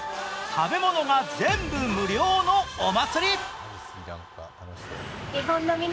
食べ物が全部無料のお祭り。